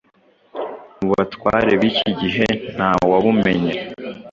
Mu batware b’iki gihe nta wabumenye;